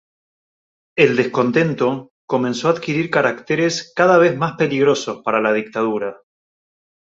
El descontento comenzó a adquirir caracteres cada vez más peligrosos para la dictadura.